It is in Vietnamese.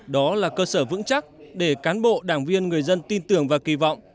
đó là cơ sở vững chắc để cán bộ đảng viên người dân tin tưởng và kỳ vọng